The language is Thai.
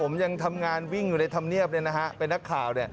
ผมยังทำงานวิ่งอยู่ในธรรมเนียบเป็นนักข่าว